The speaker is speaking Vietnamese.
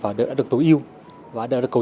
và đã được cấu trúc tối ưu cho việc tra cứu